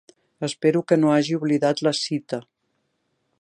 Espero que no hagi oblidat la cita.